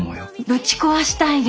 ぶち壊したいです。